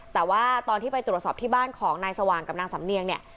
แต่ว่าตอนที่ไปตรวจสอบที่บ้านของนายสว่างกับนางสำเนียงเนี่ย